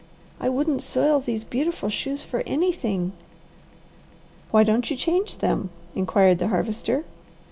I wouldn't soil these beautiful shoes for anything." "Why don't you change them?" inquired the Harvester.